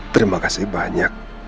terima kasih banyak